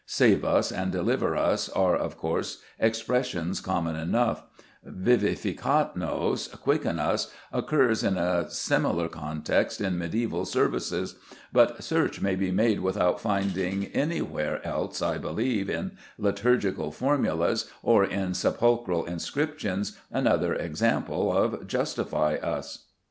"'Save us' and 'Deliver us' are of course expressions common enough; 'Vivifica nos,' 'Quicken us,' occurs in a similar context in mediæval services; but search may be made without finding anywhere else, I believe, in liturgical formulas or in sepulchral inscriptions, another example of 'Justify us.